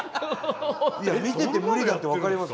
いや見てて無理だって分かります。